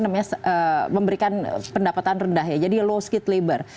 memberikan pendapatan rendah ya jadi low skid labor